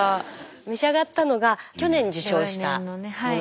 召し上がったのが去年受賞したものですよね。